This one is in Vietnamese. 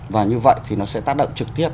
và như vậy thì nó sẽ tác động trực tiếp